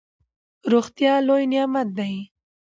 روغتیا لوی نعمت دئ.